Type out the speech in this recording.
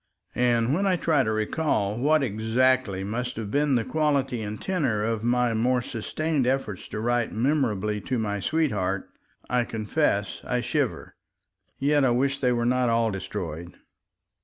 And when I try to recall what exactly must have been the quality and tenor of my more sustained efforts to write memorably to my sweetheart, I confess I shiver. .. Yet I wish they were not all destroyed.